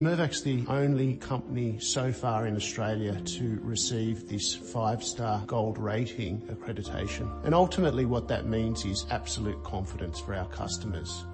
Mirvac's the only company so far in Australia to receive this five-star gold rating accreditation, and ultimately what that means is absolute confidence for our customers.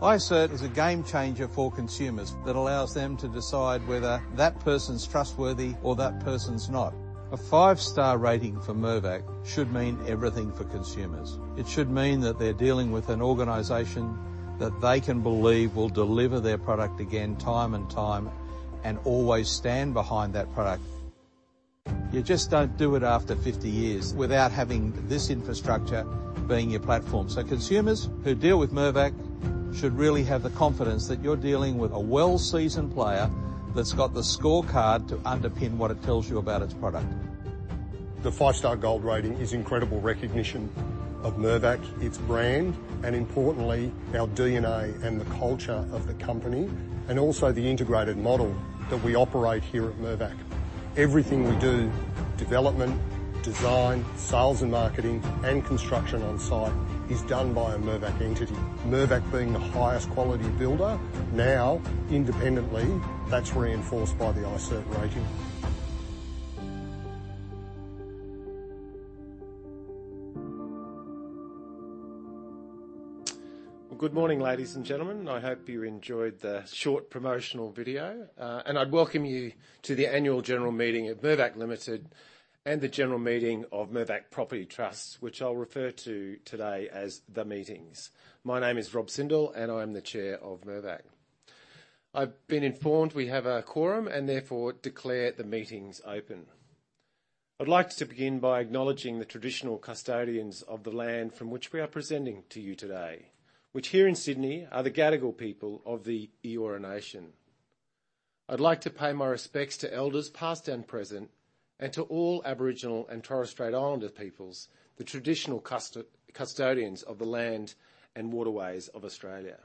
iCIRT is a game changer for consumers that allows them to decide whether that person's trustworthy or that person's not. A five-star rating for Mirvac should mean everything for consumers. It should mean that they're dealing with an organization that they can believe will deliver their product again time and time, and always stand behind that product. You just don't do it after 50 years without having this infrastructure being your platform. So consumers who deal with Mirvac should really have the confidence that you're dealing with a well-seasoned player that's got the scorecard to underpin what it tells you about its product. The five-star gold rating is incredible recognition of Mirvac, its brand, and importantly, our DNA and the culture of the company, and also the integrated model that we operate here at Mirvac. Everything we do, development, design, sales and marketing, and construction on site, is done by a Mirvac entity. Mirvac being the highest quality builder, now independently, that's reinforced by the iCIRT rating. Well, good morning, ladies and gentlemen. I hope you enjoyed the short promotional video. I'd welcome you to the annual general meeting of Mirvac Limited and the general meeting of Mirvac Property Trust, which I'll refer to today as the meetings. My name is Rob Sindel, and I'm the Chair of Mirvac. I've been informed we have a quorum, and therefore declare the meetings open. I'd like to begin by acknowledging the traditional custodians of the land from which we are presenting to you today, which here in Sydney are the Gadigal people of the Eora Nation. I'd like to pay my respects to elders, past and present, and to all Aboriginal and Torres Strait Islander peoples, the traditional custodians of the land and waterways of Australia.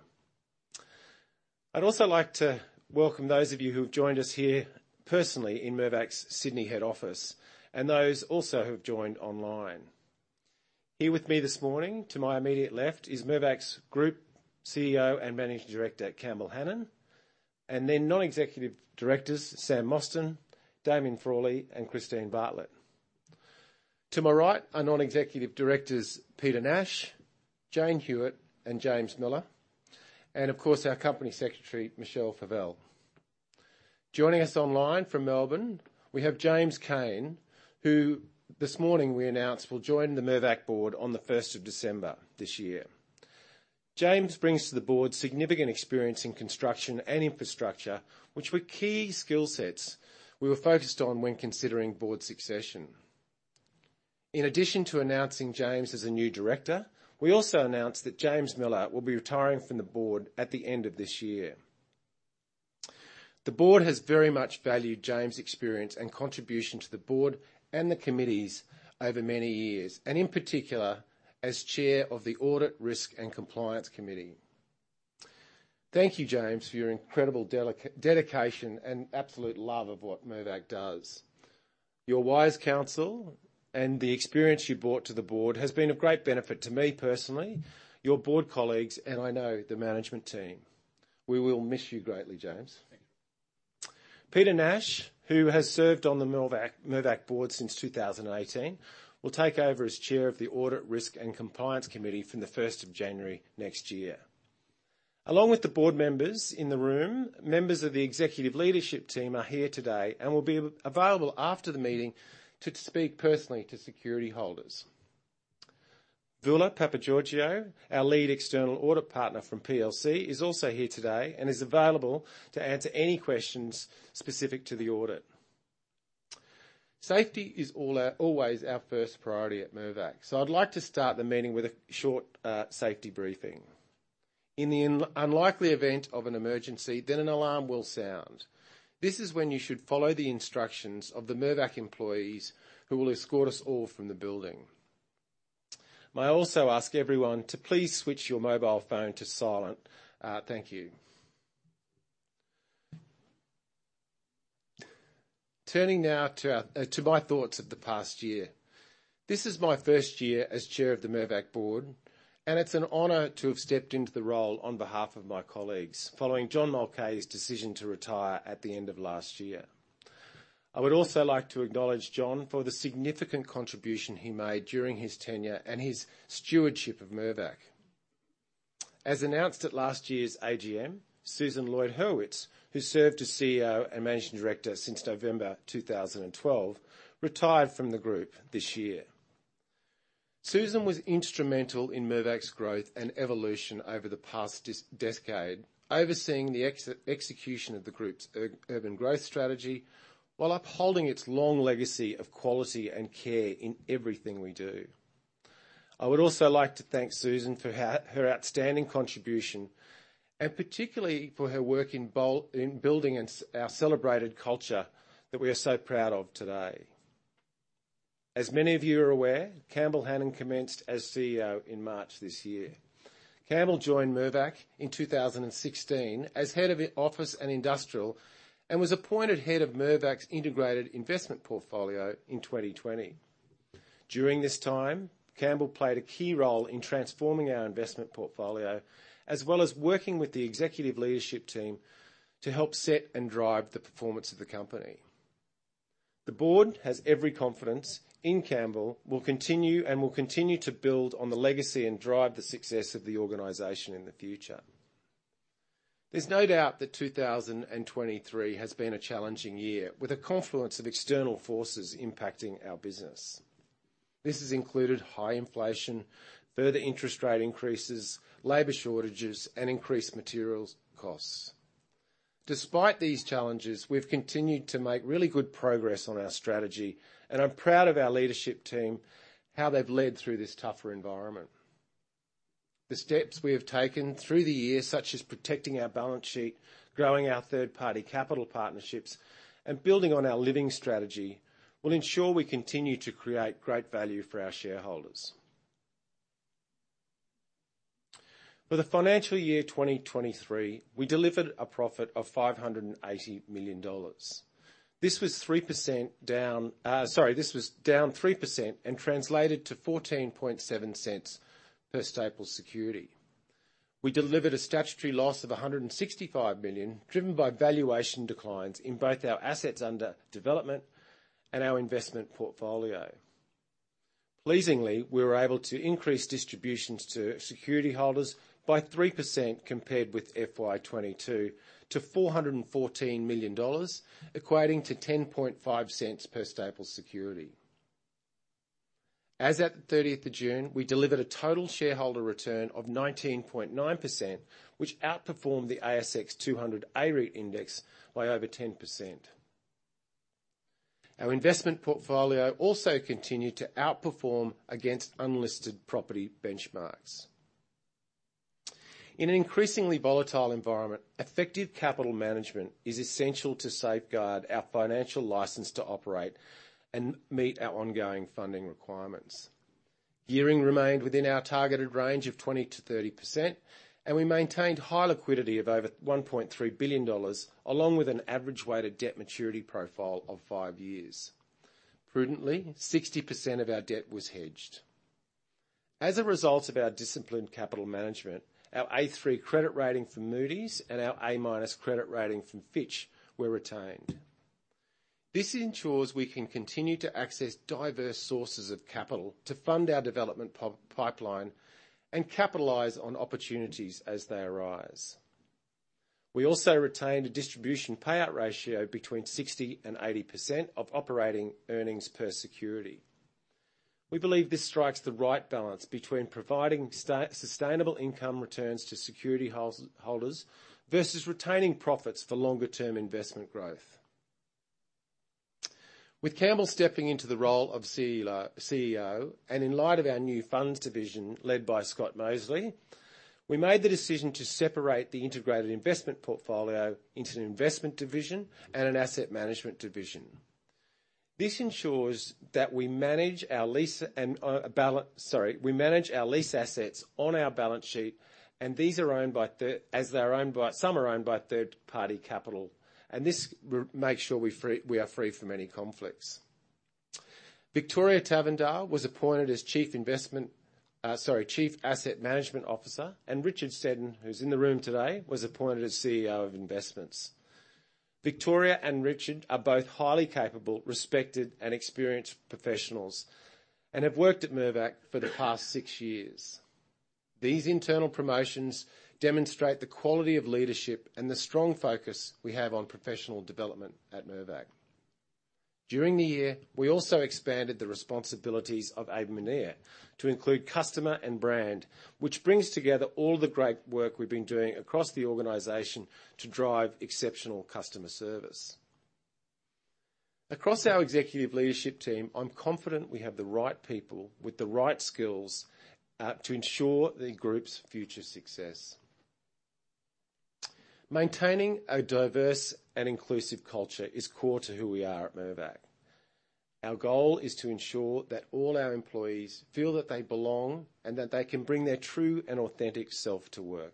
I'd also like to welcome those of you who have joined us here personally in Mirvac's Sydney head office, and those also who have joined online. Here with me this morning, to my immediate left, is Mirvac's Group CEO and Managing Director, Campbell Hanan, and then non-executive directors, Samantha Mostyn, Damien Frawley, and Christine Bartlett. To my right are non-executive directors, Peter Nash, Jane Hewitt, and James Millar, and of course, our Company Secretary, Michelle Favelle. Joining us online from Melbourne, we have James Cain, who this morning we announced will join the Mirvac board on the first of December this year. James brings to the board significant experience in construction and infrastructure, which were key skill sets we were focused on when considering board succession. In addition to announcing James as a new director, we also announced that James Millar will be retiring from the board at the end of this year. The board has very much valued James' experience and contribution to the board and the committees over many years, and in particular, as chair of the Audit, Risk, and Compliance Committee. Thank you, James, for your incredible dedication and absolute love of what Mirvac does. Your wise counsel and the experience you brought to the board has been of great benefit to me personally, your board colleagues, and I know the management team. We will miss you greatly, James. Peter Nash, who has served on the Mirvac board since 2018, will take over as chair of the Audit, Risk, and Compliance Committee from the first of January next year. Along with the board members in the room, members of the executive leadership team are here today and will be available after the meeting to speak personally to security holders. Voula Papageorgiou, our lead external audit partner from PwC, is also here today and is available to answer any questions specific to the audit. Safety is always our first priority at Mirvac, so I'd like to start the meeting with a short safety briefing. In the unlikely event of an emergency, then an alarm will sound. This is when you should follow the instructions of the Mirvac employees, who will escort us all from the building. May I also ask everyone to please switch your mobile phone to silent? Thank you. Turning now to my thoughts of the past year. This is my first year as Chair of the Mirvac board, and it's an honor to have stepped into the role on behalf of my colleagues, following John Mulcahy's decision to retire at the end of last year. I would also like to acknowledge John for the significant contribution he made during his tenure and his stewardship of Mirvac. As announced at last year's AGM, Susan Lloyd-Hurwitz, who served as CEO and Managing Director since November 2012, retired from the group this year. Susan was instrumental in Mirvac's growth and evolution over the past decade, overseeing the execution of the group's urban growth strategy, while upholding its long legacy of quality and care in everything we do. I would also like to thank Susan for her outstanding contribution, and particularly for her work in building our celebrated culture that we are so proud of today. As many of you are aware, Campbell Hanan commenced as CEO in March this year. Campbell joined Mirvac in 2016 as head of Office and Industrial, and was appointed head of Mirvac's Integrated Investment Portfolio in 2020. During this time, Campbell played a key role in transforming our investment portfolio, as well as working with the executive leadership team to help set and drive the performance of the company. The board has every confidence in Campbell, will continue, and will continue to build on the legacy and drive the success of the organization in the future. There's no doubt that 2023 has been a challenging year, with a confluence of external forces impacting our business. This has included high inflation, further interest rate increases, labor shortages, and increased materials costs. Despite these challenges, we've continued to make really good progress on our strategy, and I'm proud of our leadership team, how they've led through this tougher environment. The steps we have taken through the year, such as protecting our balance sheet, growing our third-party capital partnerships, and building on our living strategy, will ensure we continue to create great value for our shareholders. For the financial year 2023, we delivered a profit of 580 million dollars. This was down 3% and translated to 0.147 per stapled security. We delivered a statutory loss of AUD 165 million, driven by valuation declines in both our assets under development and our investment portfolio. Pleasingly, we were able to increase distributions to security holders by 3% compared with FY 2022, to 414 million dollars, equating to 0.105 per stapled security. As at the thirtieth of June, we delivered a total shareholder return of 19.9%, which outperformed the ASX 200 A-REIT index by over 10%. Our investment portfolio also continued to outperform against unlisted property benchmarks. In an increasingly volatile environment, effective capital management is essential to safeguard our financial license to operate and meet our ongoing funding requirements. Gearing remained within our targeted range of 20%-30%, and we maintained high liquidity of over 1.3 billion dollars, along with an average weighted debt maturity profile of five years. Prudently, 60% of our debt was hedged. As a result of our disciplined capital management, our A3 credit rating from Moody's and our A minus credit rating from Fitch were retained. This ensures we can continue to access diverse sources of capital to fund our development pipeline and capitalize on opportunities as they arise. We also retained a distribution payout ratio between 60% and 80% of operating earnings per security. We believe this strikes the right balance between providing sustainable income returns to securityholders versus retaining profits for longer term investment growth. With Campbell stepping into the role of CEO, CEO, and in light of our new funds division led by Scott Mosely, we made the decision to separate the integrated investment portfolio into an investment division and an asset management division. This ensures that we manage our lease assets on our balance sheet, and these are owned by third-party capital, and this makes sure we are free from any conflicts. Victoria Tavendale was appointed as Chief Asset Management Officer, and Richard Seddon, who's in the room today, was appointed as CEO of Investments. Victoria and Richard are both highly capable, respected, and experienced professionals and have worked at Mirvac for the past six years. These internal promotions demonstrate the quality of leadership and the strong focus we have on professional development at Mirvac. During the year, we also expanded the responsibilities of Amy Menere to include customer and brand, which brings together all the great work we've been doing across the organization to drive exceptional customer service. Across our executive leadership team, I'm confident we have the right people with the right skills to ensure the group's future success. Maintaining a diverse and inclusive culture is core to who we are at Mirvac. Our goal is to ensure that all our employees feel that they belong, and that they can bring their true and authentic self to work.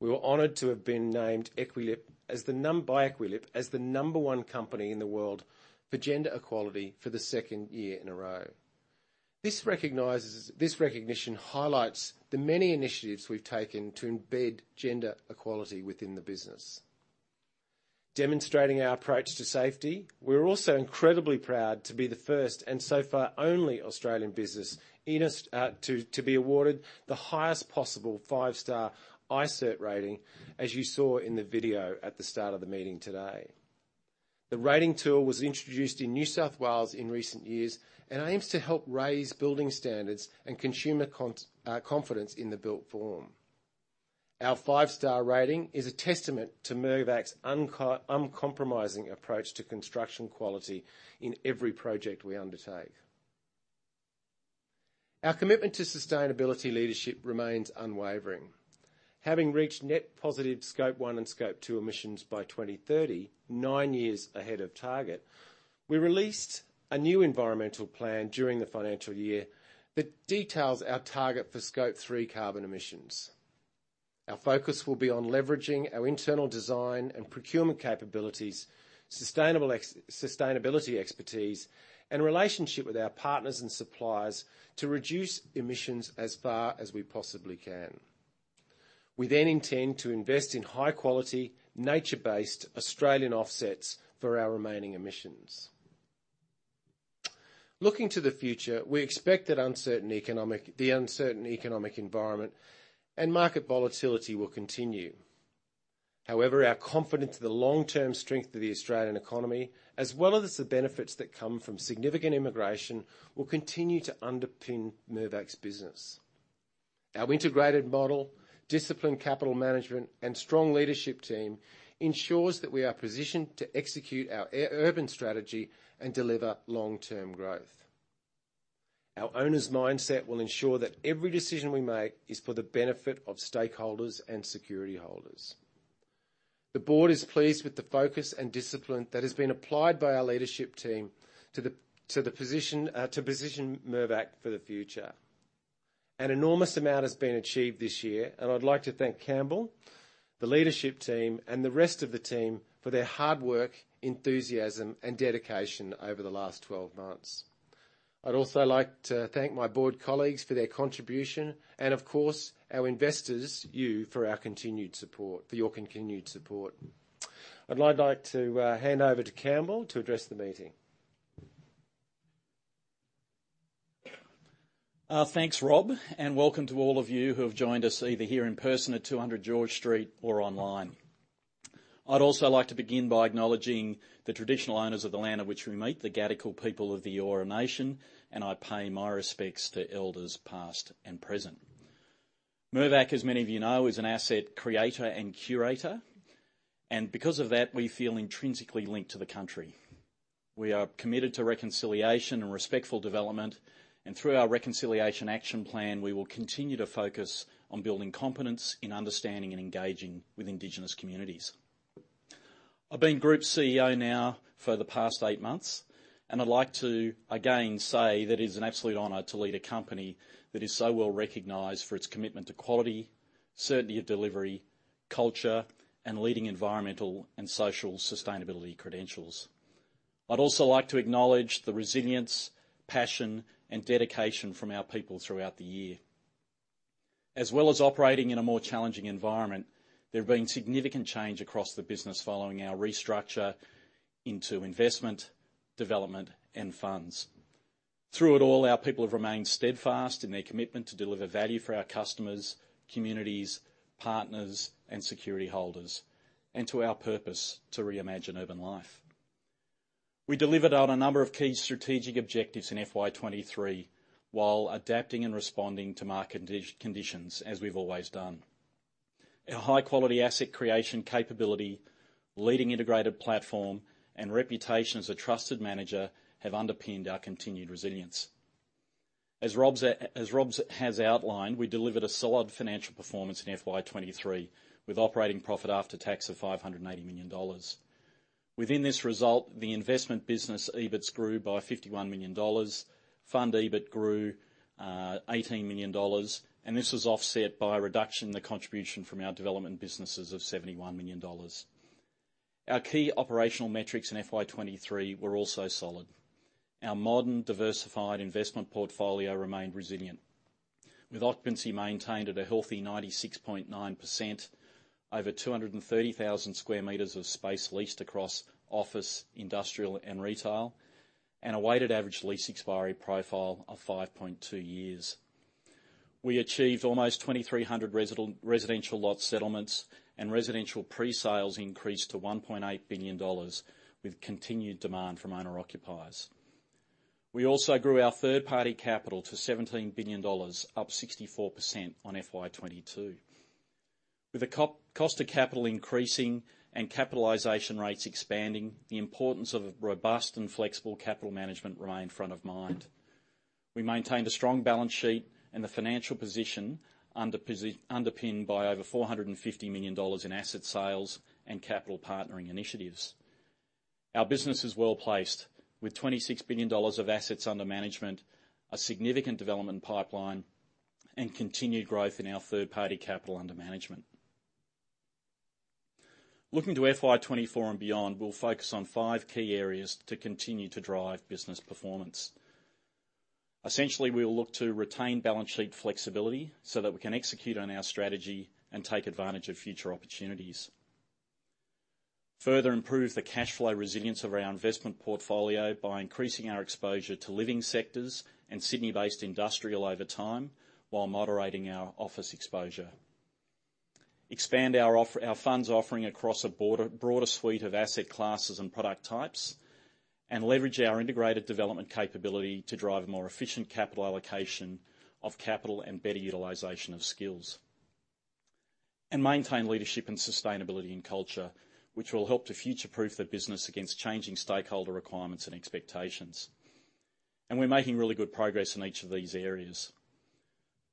We were honored to have been named by Equileap as the number one company in the world for gender equality for the second year in a row. This recognition highlights the many initiatives we've taken to embed gender equality within the business. Demonstrating our approach to safety, we're also incredibly proud to be the first, and so far, only Australian business in Australia to be awarded the highest possible 5-star iCIRT rating, as you saw in the video at the start of the meeting today. The rating tool was introduced in New South Wales in recent years, and aims to help raise building standards and consumer confidence in the built form. Our 5-star rating is a testament to Mirvac's uncompromising approach to construction quality in every project we undertake. Our commitment to sustainability leadership remains unwavering. Having reached net positive Scope one and Scope two emissions by 2030, 9 years ahead of target, we released a new environmental plan during the financial year, that details our target for Scope three carbon emissions. Our focus will be on leveraging our internal design and procurement capabilities, sustainability expertise, and relationship with our partners and suppliers to reduce emissions as far as we possibly can. We then intend to invest in high-quality, nature-based Australian offsets for our remaining emissions. Looking to the future, we expect that the uncertain economic environment and market volatility will continue. However, our confidence in the long-term strength of the Australian economy, as well as the benefits that come from significant immigration, will continue to underpin Mirvac's business. Our integrated model, disciplined capital management, and strong leadership team ensures that we are positioned to execute our urban strategy and deliver long-term growth. Our owners' mindset will ensure that every decision we make is for the benefit of stakeholders and security holders. The board is pleased with the focus and discipline that has been applied by our leadership team to position Mirvac for the future. An enormous amount has been achieved this year, and I'd like to thank Campbell, the leadership team, and the rest of the team for their hard work, enthusiasm, and dedication over the last 12 months. I'd also like to thank my board colleagues for their contribution, and of course, our investors, you, for your continued support. I'd now like to hand over to Campbell to address the meeting. Thanks, Rob, and welcome to all of you who have joined us, either here in person at 200 George Street or online. I'd also like to begin by acknowledging the traditional owners of the land on which we meet, the Gadigal people of the Eora Nation, and I pay my respects to elders, past and present. Mirvac, as many of you know, is an asset creator and curator, and because of that, we feel intrinsically linked to the country. We are committed to reconciliation and respectful development, and through our reconciliation action plan, we will continue to focus on building competence in understanding and engaging with Indigenous communities. I've been Group CEO now for the past eight months, and I'd like to again say that it is an absolute honor to lead a company that is so well-recognized for its commitment to quality, certainty of delivery, culture, and leading environmental and social sustainability credentials. I'd also like to acknowledge the resilience, passion, and dedication from our people throughout the year. As well as operating in a more challenging environment, there have been significant change across the business following our restructure into investment, development, and funds. Through it all, our people have remained steadfast in their commitment to deliver value for our customers, communities, partners, and security holders, and to our purpose, to reimagine urban life. We delivered on a number of key strategic objectives in FY 2023 while adapting and responding to market conditions, as we've always done. Our high-quality asset creation capability, leading integrated platform, and reputation as a trusted manager have underpinned our continued resilience. As Rob has outlined, we delivered a solid financial performance in FY 2023, with operating profit after tax of 580 million dollars. Within this result, the investment business EBITS grew by 51 million dollars, fund EBIT grew eighteen million dollars, and this was offset by a reduction in the contribution from our development businesses of 71 million dollars. Our key operational metrics in FY 2023 were also solid. Our modern, diversified investment portfolio remained resilient, with occupancy maintained at a healthy 96.9%, over 230,000 square meters of space leased across office, industrial, and retail, and a weighted average lease expiry profile of 5.2 years. We achieved almost 2,300 residential lot settlements, and residential pre-sales increased to 1.8 billion dollars, with continued demand from owner-occupiers. We also grew our third-party capital to AUD 17 billion, up 64% on FY 2022. With the cost of capital increasing and capitalization rates expanding, the importance of a robust and flexible capital management remained front of mind. We maintained a strong balance sheet and the financial position underpinned by over 450 million dollars in asset sales and capital partnering initiatives. Our business is well-placed, with 26 billion dollars of assets under management, a significant development pipeline, and continued growth in our third-party capital under management. Looking to FY 2024 and beyond, we'll focus on five key areas to continue to drive business performance. Essentially, we will look to retain balance sheet flexibility so that we can execute on our strategy and take advantage of future opportunities. Further improve the cash flow resilience of our investment portfolio by increasing our exposure to living sectors and Sydney-based industrial over time, while moderating our office exposure. Expand our our funds offering across a broader suite of asset classes and product types, and leverage our integrated development capability to drive more efficient capital allocation of capital and better utilization of skills. And maintain leadership and sustainability in culture, which will help to future-proof the business against changing stakeholder requirements and expectations. And we're making really good progress in each of these areas.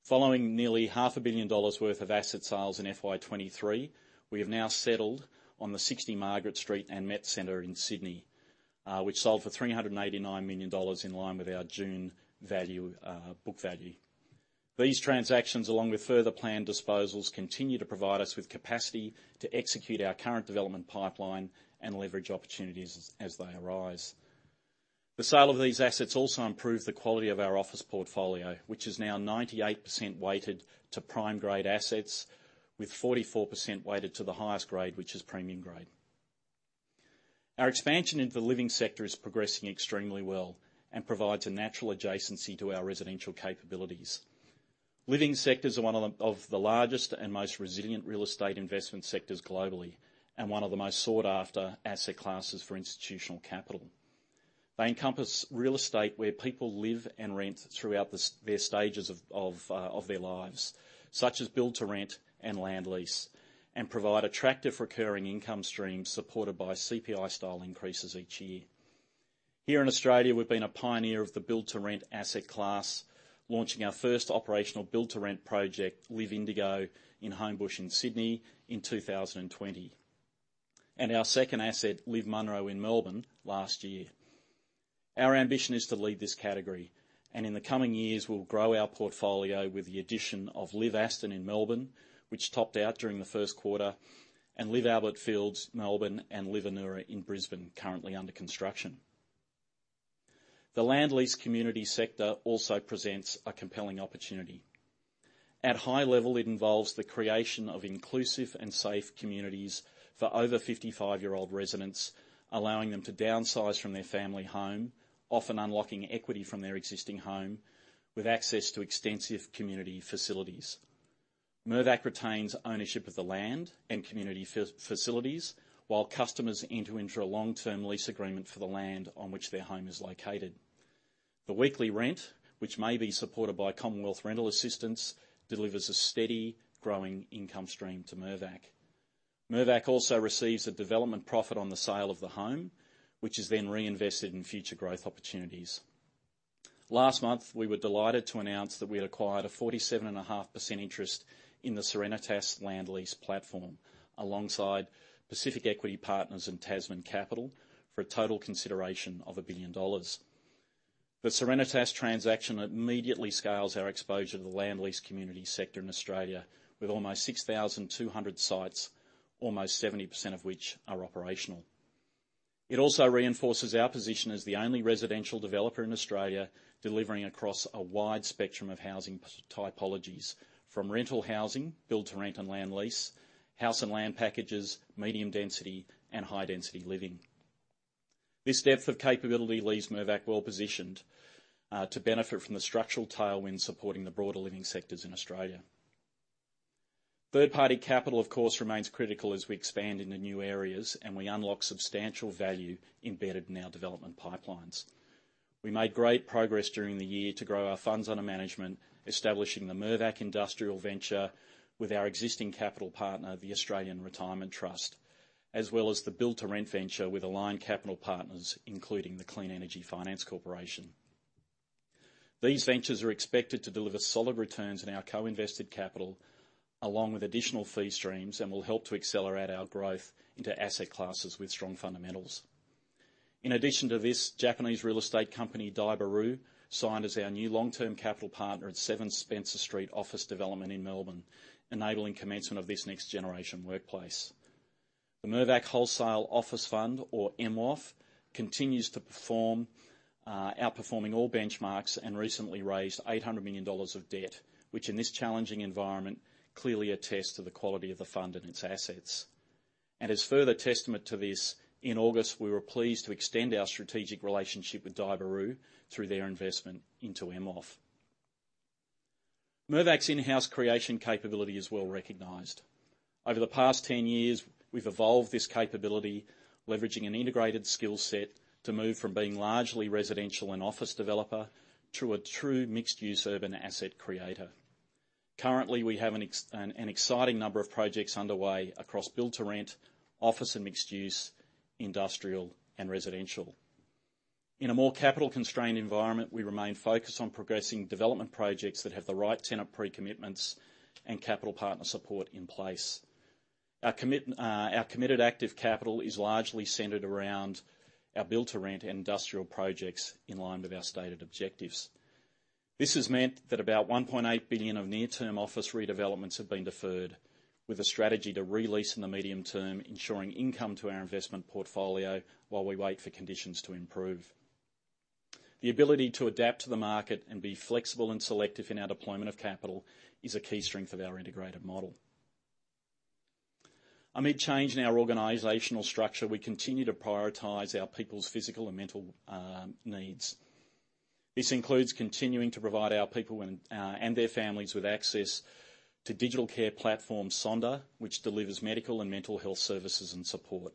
Following nearly 500 million dollars worth of asset sales in FY 2023, we have now settled on the 60 Margaret Street and Met Centre in Sydney. which sold for 389 million dollars, in line with our June value, book value. These transactions, along with further planned disposals, continue to provide us with capacity to execute our current development pipeline and leverage opportunities as they arise. The sale of these assets also improved the quality of our office portfolio, which is now 98% weighted to prime grade assets, with 44% weighted to the highest grade, which is premium grade. Our expansion into the living sector is progressing extremely well and provides a natural adjacency to our residential capabilities. Living sectors are one of the largest and most resilient real estate investment sectors globally, and one of the most sought-after asset classes for institutional capital. They encompass real estate where people live and rent throughout their stages of their lives, such as build-to-rent and land lease, and provide attractive recurring income streams, supported by CPI-style increases each year. Here in Australia, we've been a pioneer of the build-to-rent asset class, launching our first operational build-to-rent project, LIV Indigo, in Homebush, Sydney in 2020, and our second asset, LIV Munro, in Melbourne last year. Our ambition is to lead this category, and in the coming years, we'll grow our portfolio with the addition of LIV Aston in Melbourne, which topped out during the Q1, and LIV Albert Fields, Melbourne, and LIV Anura in Brisbane, currently under construction. The land lease community sector also presents a compelling opportunity. At high level, it involves the creation of inclusive and safe communities for over 55-year-old residents, allowing them to downsize from their family home, often unlocking equity from their existing home, with access to extensive community facilities. Mirvac retains ownership of the land and community facilities, while customers enter into a long-term lease agreement for the land on which their home is located. The weekly rent, which may be supported by Commonwealth Rental Assistance, delivers a steady, growing income stream to Mirvac. Mirvac also receives a development profit on the sale of the home, which is then reinvested in future growth opportunities. Last month, we were delighted to announce that we had acquired a 47.5% interest in the Serenitas land lease platform, alongside Pacific Equity Partners and Tasman Capital, for a total consideration of 1 billion dollars. The Serenitas transaction immediately scales our exposure to the land lease community sector in Australia, with almost 6,200 sites, almost 70% of which are operational. It also reinforces our position as the only residential developer in Australia, delivering across a wide spectrum of housing typologies, from rental housing, build-to-rent and land lease, house and land packages, medium density, and high-density living. This depth of capability leaves Mirvac well-positioned to benefit from the structural tailwind supporting the broader living sectors in Australia. Third-party capital, of course, remains critical as we expand into new areas, and we unlock substantial value embedded in our development pipelines. We made great progress during the year to grow our funds under management, establishing the Mirvac Industrial Venture with our existing capital partner, the Australian Retirement Trust, as well as the build-to-rent venture with Aligned Capital Partners, including the Clean Energy Finance Corporation. These ventures are expected to deliver solid returns on our co-invested capital, along with additional fee streams, and will help to accelerate our growth into asset classes with strong fundamentals. In addition to this, Japanese real estate company, Daiwa House, signed as our new long-term capital partner at Seven Spencer Street office development in Melbourne, enabling commencement of this next-generation workplace. The Mirvac Wholesale Office Fund, or MWOF, continues to perform, outperforming all benchmarks, and recently raised 800 million dollars of debt, which, in this challenging environment, clearly attests to the quality of the fund and its assets. And as further testament to this, in August, we were pleased to extend our strategic relationship with Daiwa House through their investment into MWOF. Mirvac's in-house creation capability is well-recognized. Over the past 10 years, we've evolved this capability, leveraging an integrated skill set, to move from being largely residential and office developer to a true mixed-use urban asset creator. Currently, we have an exciting number of projects underway across build-to-rent, office and mixed-use, industrial, and residential. In a more capital-constrained environment, we remain focused on progressing development projects that have the right tenant pre-commitments and capital partner support in place. Our committed active capital is largely centered around our build-to-rent and industrial projects in line with our stated objectives. This has meant that about 1.8 billion of near-term office redevelopments have been deferred, with a strategy to re-lease in the medium term, ensuring income to our investment portfolio while we wait for conditions to improve. The ability to adapt to the market and be flexible and selective in our deployment of capital is a key strength of our integrated model. Amid change in our organizational structure, we continue to prioritize our people's physical and mental needs. This includes continuing to provide our people and their families with access to digital care platform, Sonder, which delivers medical and mental health services and support.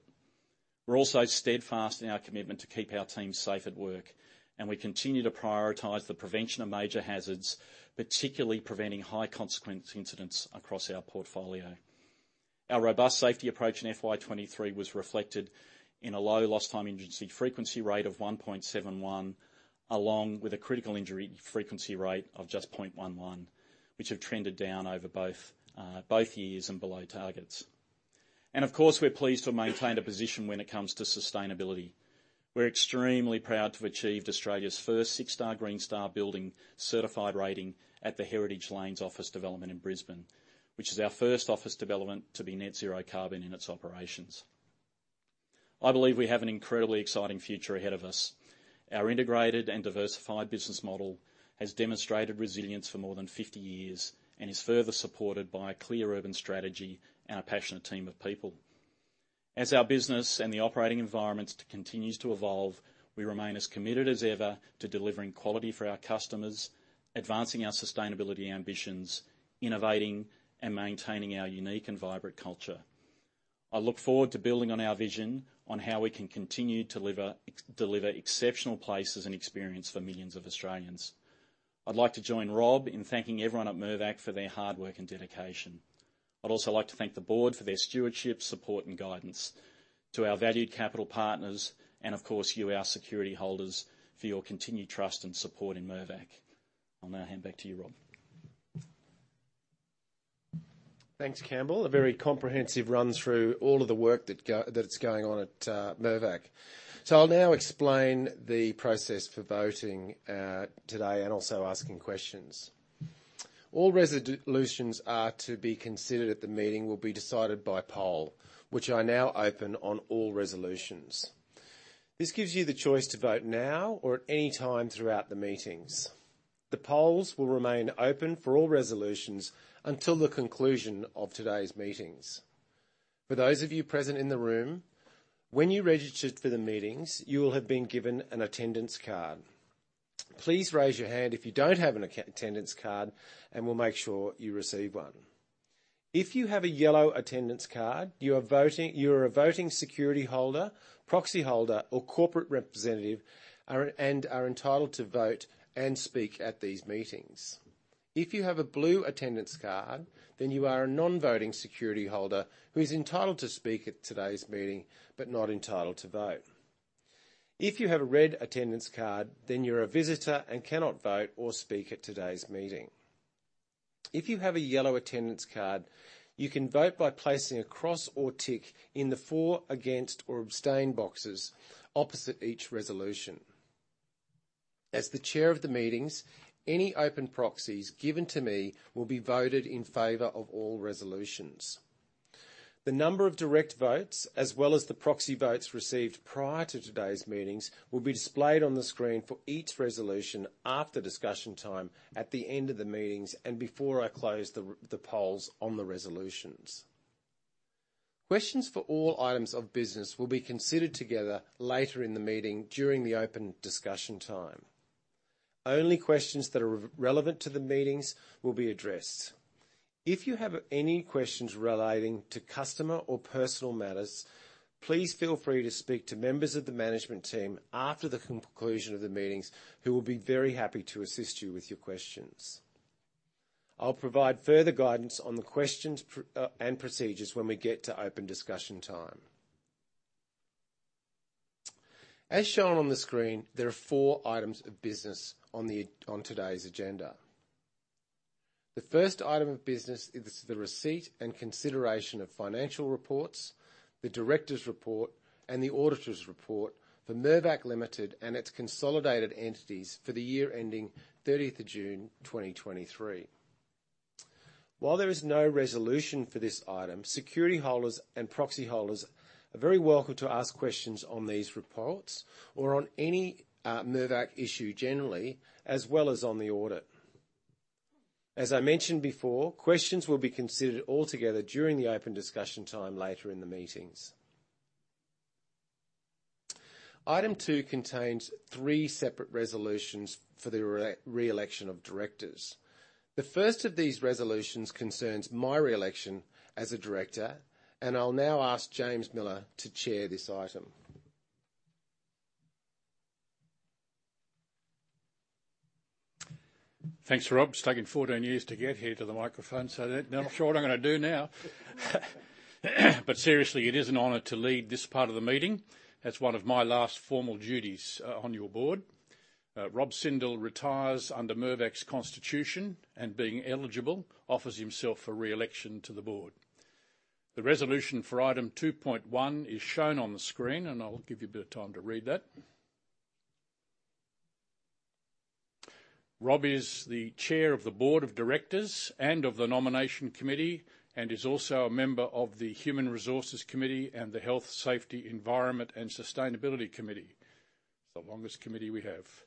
We're also steadfast in our commitment to keep our team safe at work, and we continue to prioritize the prevention of major hazards, particularly preventing high-consequence incidents across our portfolio. Our robust safety approach in FY 2023 was reflected in a low lost time agency frequency rate of 1.71, along with a critical injury frequency rate of just 0.11, which have trended down over both both years and below targets. And of course, we're pleased to have maintained a position when it comes to sustainability, we're extremely proud to have achieved Australia's first 6-star Green Star building certified rating at the Heritage Lanes office development in Brisbane, which is our first office development to be net zero carbon in its operations. I believe we have an incredibly exciting future ahead of us. Our integrated and diversified business model has demonstrated resilience for more than 50 years and is further supported by a clear urban strategy and a passionate team of people. As our business and the operating environments continues to evolve, we remain as committed as ever to delivering quality for our customers, advancing our sustainability ambitions, innovating, and maintaining our unique and vibrant culture. I look forward to building on our vision on how we can continue to deliver exceptional places and experience for millions of Australians. I'd like to join Rob in thanking everyone at Mirvac for their hard work and dedication. I'd also like to thank the board for their stewardship, support, and guidance, to our valued capital partners, and of course, you, our security holders, for your continued trust and support in Mirvac. I'll now hand back to you, Rob. Thanks, Campbell. A very comprehensive run through all of the work that's going on at Mirvac. So I'll now explain the process for voting today and also asking questions. All resolutions are to be considered at the meeting will be decided by poll, which I now open on all resolutions. This gives you the choice to vote now or at any time throughout the meetings. The polls will remain open for all resolutions until the conclusion of today's meetings. For those of you present in the room, when you registered for the meetings, you will have been given an attendance card. Please raise your hand if you don't have an attendance card, and we'll make sure you receive one. If you have a yellow attendance card, you are a voting security holder, proxy holder, or corporate representative, and are entitled to vote and speak at these meetings. If you have a blue attendance card, then you are a non-voting security holder who is entitled to speak at today's meeting, but not entitled to vote. If you have a red attendance card, then you're a visitor and cannot vote or speak at today's meeting. If you have a yellow attendance card, you can vote by placing a cross or tick in the for, against, or abstain boxes opposite each resolution. As the Chair of the meetings, any open proxies given to me will be voted in favor of all resolutions. The number of direct votes, as well as the proxy votes received prior to today's meetings, will be displayed on the screen for each resolution after discussion time at the end of the meetings and before I close the polls on the resolutions. Questions for all items of business will be considered together later in the meeting, during the open discussion time. Only questions that are relevant to the meetings will be addressed. If you have any questions relating to customer or personal matters, please feel free to speak to members of the management team after the conclusion of the meetings, who will be very happy to assist you with your questions. I'll provide further guidance on the questions and procedures when we get to open discussion time. As shown on the screen, there are four items of business on today's agenda. The first item of business is the receipt and consideration of financial reports, the director's report, and the auditor's report for Mirvac Limited and its consolidated entities for the year ending thirtieth of June, 2023. While there is no resolution for this item, security holders and proxy holders are very welcome to ask questions on these reports or on any Mirvac issue generally, as well as on the audit. As I mentioned before, questions will be considered all together during the open discussion time later in the meetings. Item two contains three separate resolutions for the re-election of directors. The first of these resolutions concerns my re-election as a director, and I'll now ask James Miller to chair this item. Thanks, Rob. It's taken 14 years to get here to the microphone, so I'm not sure what I'm gonna do now. But seriously, it is an honor to lead this part of the meeting. That's one of my last formal duties on your board. Rob Sindel retires under Mirvac's Constitution, and being eligible, offers himself for re-election to the board. The resolution for item 2.1 is shown on the screen, and I'll give you a bit of time to read that. Rob is the Chair of the board of directors and of the nomination committee, and is also a member of the Human Resources Committee and the Health, Safety, Environment, and Sustainability Committee. It's the longest committee we have.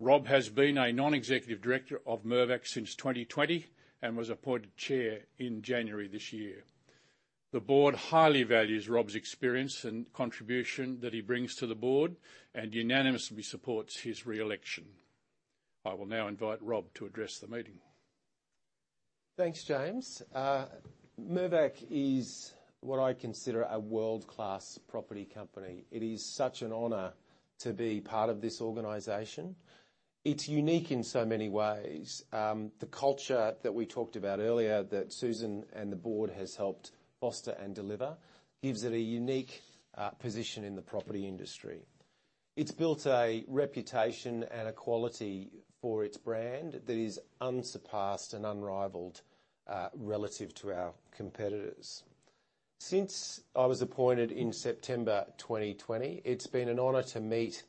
Rob has been a non-executive director of Mirvac since 2020 and was appointed Chair in January this year. The board highly values Rob's experience and contribution that he brings to the board and unanimously supports his re-election. I will now invite Rob to address the meeting. Thanks, James. Mirvac is what I consider a world-class property company. It is such an honor to be part of this organization. It's unique in so many ways. The culture that we talked about earlier, that Susan and the board has helped foster and deliver, gives it a unique position in the property industry. It's built a reputation and a quality for its brand that is unsurpassed and unrivaled relative to our competitors. Since I was appointed in September 2020, it's been an honor to meet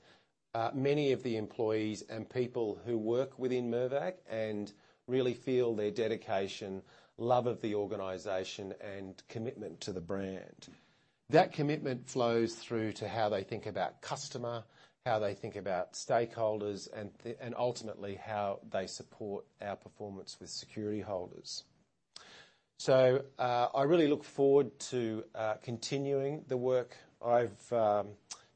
many of the employees and people who work within Mirvac and really feel their dedication, love of the organization, and commitment to the brand. That commitment flows through to how they think about customer, how they think about stakeholders, and ultimately, how they support our performance with security holders. So, I really look forward to continuing the work I've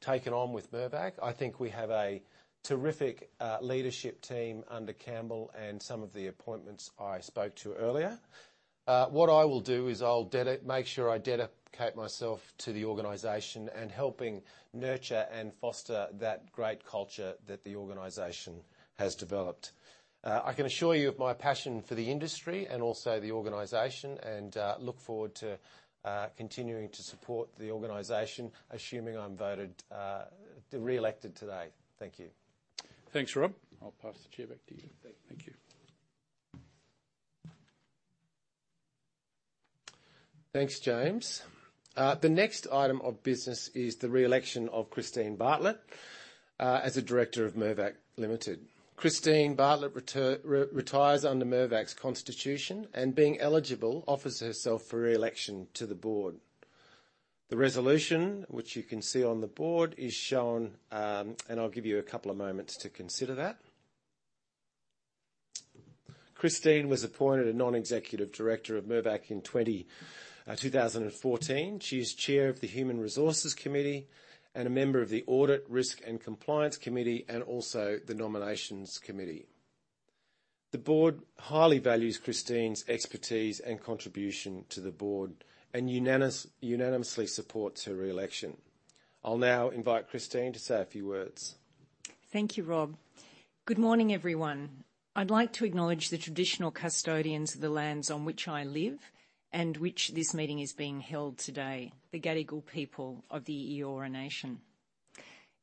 taken on with Mirvac. I think we have a terrific leadership team under Campbell and some of the appointments I spoke to earlier. What I will do is I'll make sure I dedicate myself to the organization and helping nurture and foster that great culture that the organization has developed. I can assure you of my passion for the industry and also the organization, and look forward to continuing to support the organization, assuming I'm voted reelected today. Thank you. Thanks, Rob. I'll pass the chair back to you. Thank you. Thanks, James. The next item of business is the re-election of Christine Bartlett as a director of Mirvac Limited. Christine Bartlett retires under Mirvac's Constitution, and being eligible, offers herself for re-election to the board. The resolution, which you can see on the board, is shown. I'll give you a couple of moments to consider that. Christine was appointed a non-executive director of Mirvac in 2014. She's Chair of the Human Resources Committee and a member of the Audit, Risk, and Compliance Committee, and also the Nominations Committee. The board highly values Christine's expertise and contribution to the board and unanimously supports her re-election. I'll now invite Christine to say a few words. Thank you, Rob. Good morning, everyone. I'd like to acknowledge the traditional custodians of the lands on which I live and which this meeting is being held today, the Gadigal people of the Eora Nation.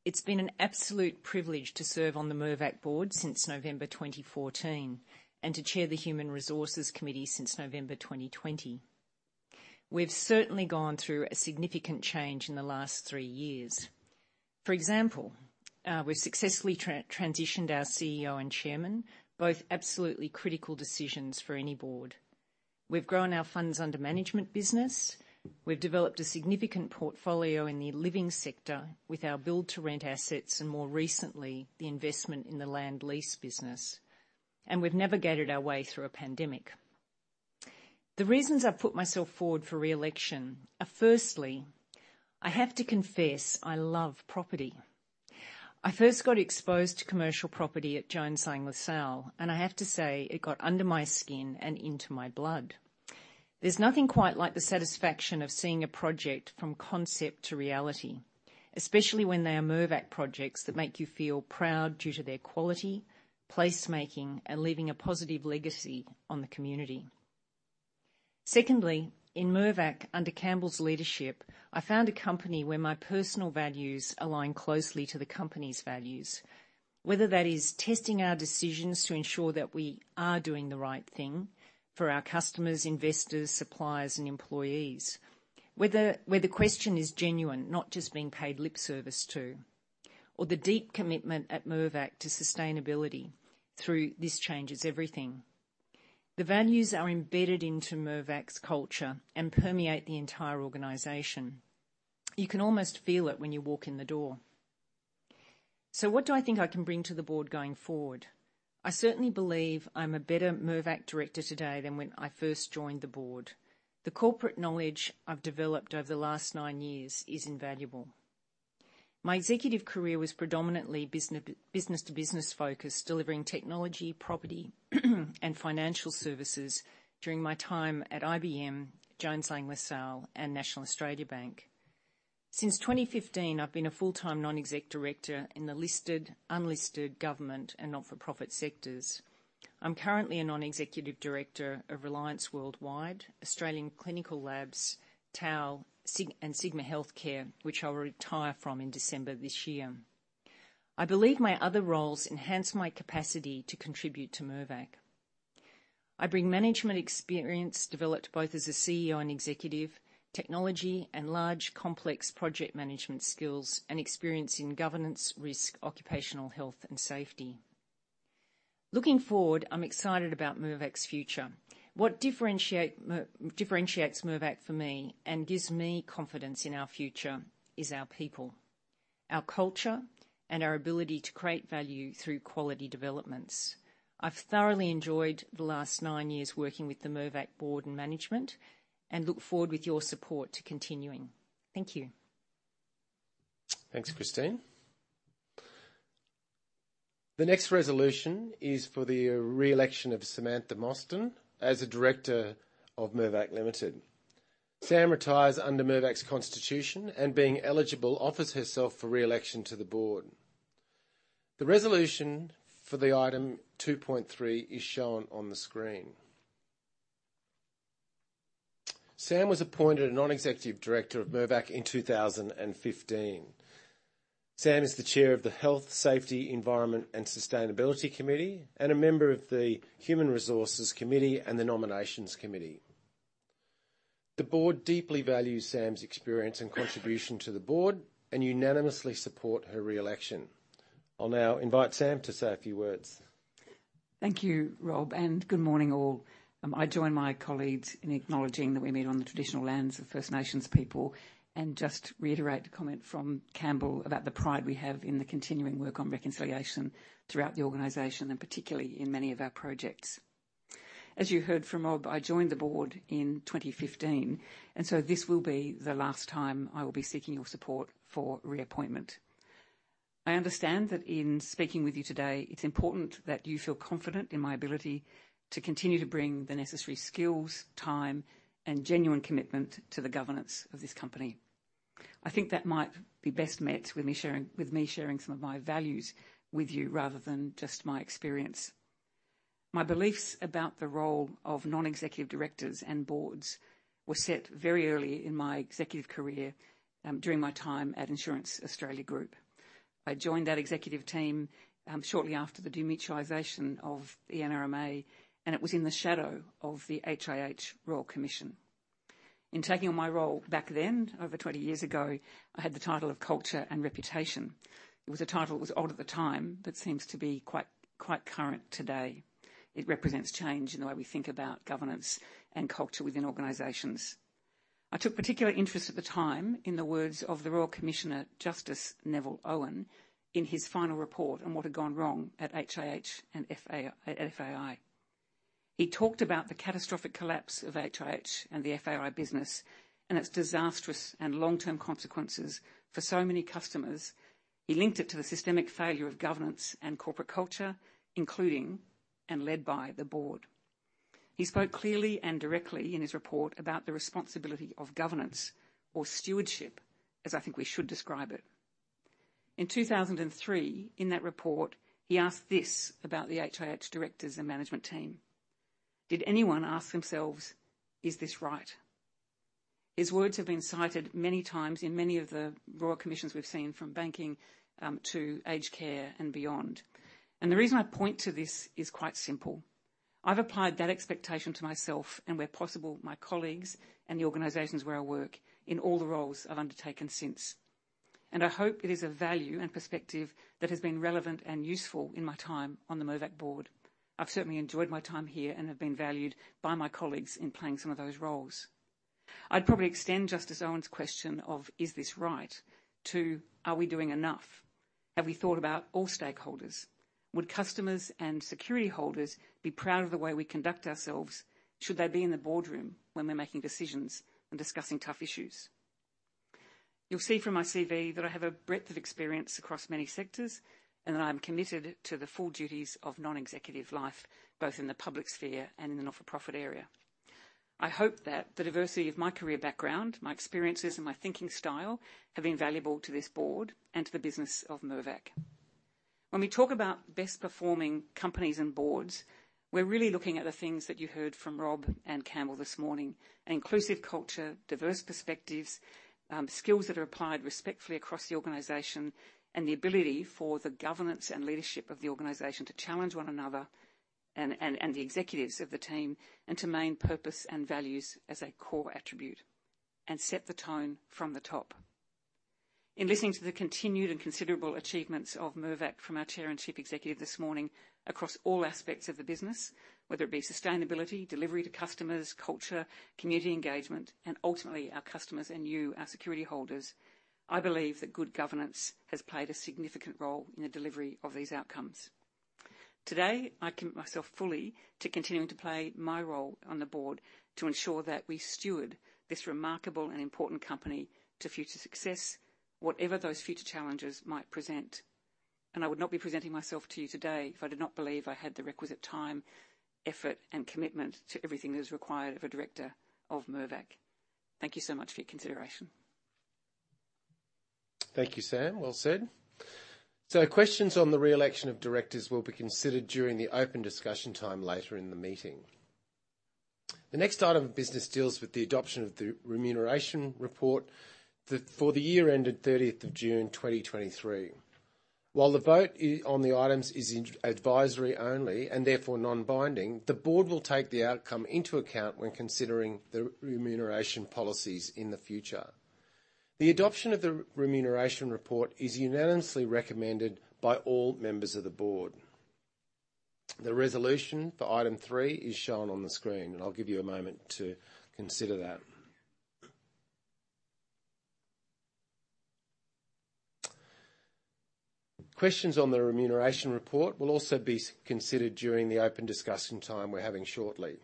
It's been an absolute privilege to serve on the Mirvac board since November 2014, and to chair the Human Resources Committee since November 2020. We've certainly gone through a significant change in the last three years. For example, we've successfully transitioned our CEO and Chairman, both absolutely critical decisions for any board. We've grown our funds under management business. We've developed a significant portfolio in the living sector with our build-to-rent assets, and more recently, the investment in the land lease business, and we've navigated our way through a pandemic. The reasons I've put myself forward for re-election are, firstly, I have to confess, I love property. I first got exposed to commercial property at Jones Lang LaSalle, and I have to say, it got under my skin and into my blood. There's nothing quite like the satisfaction of seeing a project from concept to reality, especially when they are Mirvac projects that make you feel proud due to their quality, placemaking, and leaving a positive legacy on the community. Secondly, in Mirvac, under Campbell's leadership, I found a company where my personal values align closely to the company's values. Whether that is testing our decisions to ensure that we are doing the right thing for our customers, investors, suppliers, and employees. Whether, where the question is genuine, not just being paid lip service to, or the deep commitment at Mirvac to sustainability through This Changes Everything. The values are embedded into Mirvac's culture and permeate the entire organization. You can almost feel it when you walk in the door. So what do I think I can bring to the board going forward? I certainly believe I'm a better Mirvac director today than when I first joined the board. The corporate knowledge I've developed over the last nine years is invaluable. My executive career was predominantly business-to-business focused, delivering technology, property, and financial services during my time at IBM, Jones Lang LaSalle, and National Australia Bank. Since 2015, I've been a full-time non-exec director in the listed, unlisted, government, and not-for-profit sectors. I'm currently a non-executive director of Reliance Worldwide, Australian Clinical Labs, TAL, Sig, and Sigma Healthcare, which I will retire from in December this year. I believe my other roles enhance my capacity to contribute to Mirvac. I bring management experience developed both as a CEO and executive, technology and large complex project management skills, and experience in governance, risk, occupational health, and safety. Looking forward, I'm excited about Mirvac's future. What differentiates Mirvac for me and gives me confidence in our future is our people, our culture, and our ability to create value through quality developments. I've thoroughly enjoyed the last nine years working with the Mirvac board and management, and look forward with your support to continuing. Thank you. Thanks, Christine. The next resolution is for the re-election of Samantha Mostyn as a director of Mirvac Limited. Sam retires under Mirvac's Constitution, and being eligible, offers herself for re-election to the board. The resolution for the item 2.3 is shown on the screen. Sam was appointed a non-executive director of Mirvac in 2015. Samantha is the Chair of the Health, Safety, Environment, and Sustainability Committee, and a member of the Human Resources Committee and the Nominations Committee. The board deeply values Sam's experience and contribution to the board, and unanimously support her re-election. I'll now invite Sam to say a few words. Thank you, Rob, and good morning, all. I join my colleagues in acknowledging that we meet on the traditional lands of First Nations people, and just to reiterate a comment from Campbell about the pride we have in the continuing work on reconciliation throughout the organization, and particularly in many of our projects. As you heard from Rob, I joined the board in 2015, and so this will be the last time I will be seeking your support for reappointment. I understand that in speaking with you today, it's important that you feel confident in my ability to continue to bring the necessary skills, time, and genuine commitment to the governance of this company. I think that might be best met with me sharing, with me sharing some of my values with you, rather than just my experience. My beliefs about the role of non-executive directors and boards were set very early in my executive career, during my time at Insurance Australia Group. I joined that executive team, shortly after the demutualization of the NRMA, and it was in the shadow of the HIH Royal Commission. In taking on my role back then, over 20 years ago, I had the title of culture and reputation. It was a title that was odd at the time, but seems to be quite, quite current today. It represents change in the way we think about governance and culture within organizations. I took particular interest at the time in the words of the Royal Commissioner, Justice Neville Owen, in his final report on what had gone wrong at HIH and FAI. He talked about the catastrophic collapse of HIH and the FAI business, and its disastrous and long-term consequences for so many customers. He linked it to the systemic failure of governance and corporate culture, including, and led by the board. He spoke clearly and directly in his report about the responsibility of governance or stewardship, as I think we should describe it. In 2003, in that report, he asked this about the HIH directors and management team: "Did anyone ask themselves, is this right?" His words have been cited many times in many of the royal commissions we've seen, from banking, to aged care and beyond. The reason I point to this is quite simple. I've applied that expectation to myself, and where possible, my colleagues and the organizations where I work, in all the roles I've undertaken since. I hope it is a value and perspective that has been relevant and useful in my time on the Mirvac board. I've certainly enjoyed my time here and have been valued by my colleagues in playing some of those roles. I'd probably extend Justice Owen's question of, "Is this right?" to, are we doing enough? Have we thought about all stakeholders? Would customers and security holders be proud of the way we conduct ourselves? Should they be in the boardroom when we're making decisions and discussing tough issues? You'll see from my CV that I have a breadth of experience across many sectors, and that I'm committed to the full duties of non-executive life, both in the public sphere and in the not-for-profit area. I hope that the diversity of my career background, my experiences, and my thinking style have been valuable to this board and to the business of Mirvac. When we talk about best-performing companies and boards, we're really looking at the things that you heard from Rob and Campbell this morning: inclusive culture, diverse perspectives, skills that are applied respectfully across the organization, and the ability for the governance and leadership of the organization to challenge one another and the executives of the team, and to maintain purpose and values as a core attribute, and set the tone from the top. In listening to the continued and considerable achievements of Mirvac from our Chair and Chief Executive this morning across all aspects of the business, whether it be sustainability, delivery to customers, culture, community engagement, and ultimately our customers and you, our security holders, I believe that good governance has played a significant role in the delivery of these outcomes. Today, I commit myself fully to continuing to play my role on the board to ensure that we steward this remarkable and important company to future success, whatever those future challenges might present. I would not be presenting myself to you today if I did not believe I had the requisite time, effort, and commitment to everything that is required of a director of Mirvac. Thank you so much for your consideration. Thank you, Sam. Well said. Questions on the re-election of directors will be considered during the open discussion time later in the meeting. The next item of business deals with the adoption of the remuneration report that, for the year ended 30th of June, 2023. While the vote on the items is advisory only and therefore non-binding, the board will take the outcome into account when considering the remuneration policies in the future. The adoption of the remuneration report is unanimously recommended by all members of the board. The resolution for item three is shown on the screen, and I'll give you a moment to consider that. Questions on the remuneration report will also be considered during the open discussion time we're having shortly.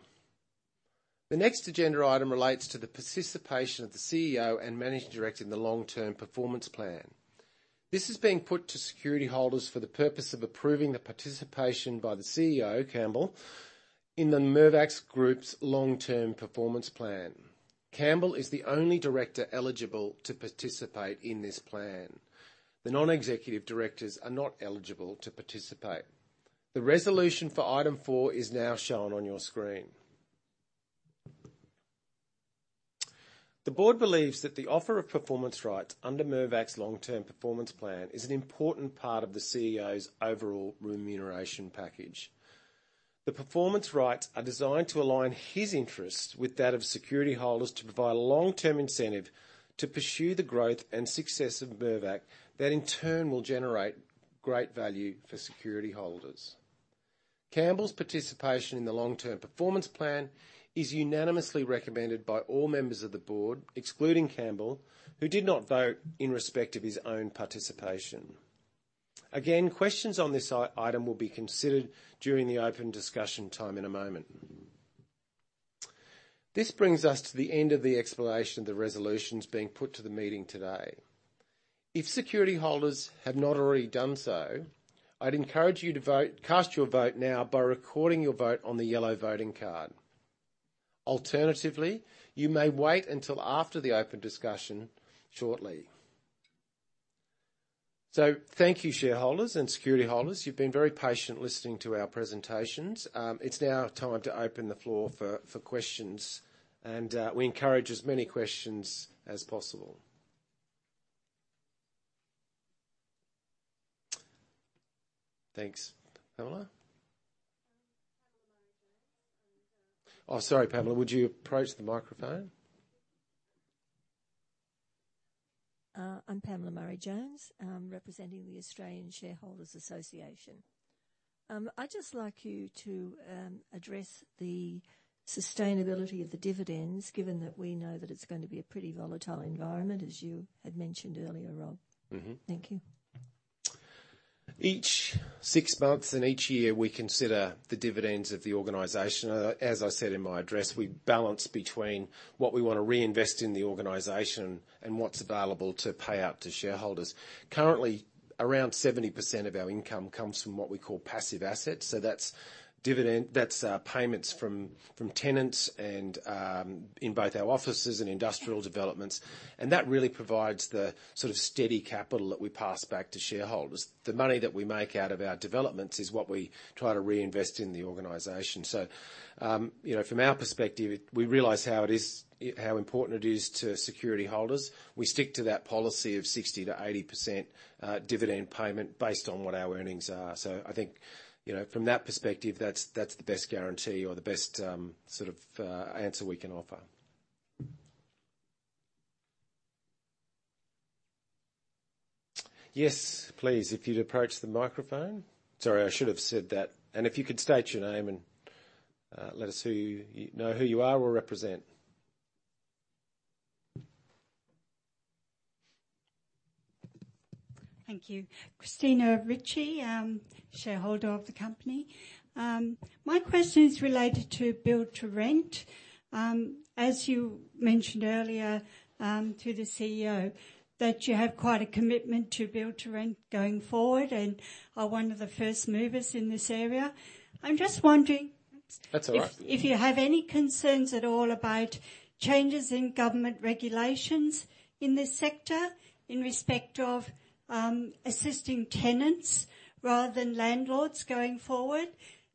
The next agenda item relates to the participation of the CEO and Managing Director in the long-term performance plan. This is being put to security holders for the purpose of approving the participation by the CEO, Campbell, in the Mirvac Group's long-term performance plan. Campbell is the only director eligible to participate in this plan. The non-executive directors are not eligible to participate. The resolution for item four is now shown on your screen. The board believes that the offer of performance rights under Mirvac's long-term performance plan is an important part of the CEO's overall remuneration package. The performance rights are designed to align his interests with that of security holders to provide a long-term incentive to pursue the growth and success of Mirvac, that in turn, will generate great value for security holders. Campbell's participation in the long-term performance plan is unanimously recommended by all members of the board, excluding Campbell, who did not vote in respect of his own participation. Again, questions on this item will be considered during the open discussion time in a moment. This brings us to the end of the explanation of the resolutions being put to the meeting today. If security holders have not already done so, I'd encourage you to vote, cast your vote now by recording your vote on the yellow voting card. Alternatively, you may wait until after the open discussion shortly. Thank you, shareholders and security holders. You've been very patient listening to our presentations. It's now time to open the floor for questions, and we encourage as many questions as possible. Thanks. Pamela? Pamela Murray Jones, and Oh, sorry, Pamela, would you approach the microphone? I'm Pamela Murray Jones. I'm representing the Australian Shareholders Association. I'd just like you to address the sustainability of the dividends, given that we know that it's going to be a pretty volatile environment, as you had mentioned earlier, Rob. Mm-hmm. Thank you. Each six months and each year, we consider the dividends of the organization. As I said in my address, we balance between what we want to reinvest in the organization and what's available to pay out to shareholders. Currently, around 70% of our income comes from what we call passive assets, so that's payments from tenants and in both our offices and industrial developments, and that really provides the sort of steady capital that we pass back to shareholders. The money that we make out of our developments is what we try to reinvest in the organization. You know, from our perspective, we realize how important it is to security holders. We stick to that policy of 60%-80% dividend payment based on what our earnings are. So I think, you know, from that perspective, that's the best guarantee or the best sort of answer we can offer. Yes, please, if you'd approach the microphone. Sorry, I should have said that, and if you could state your name and let us know who you are or represent. Thank you. Christina Ritchie, shareholder of the company. My question is related to build-to-rent. As you mentioned earlier, to the CEO, that you have quite a commitment to build-to-rent going forward and are one of the first movers in this area. I'm just wondering- That's all right. If you have any concerns at all about changes in government regulations in this sector, in respect of assisting tenants rather than landlords going forward,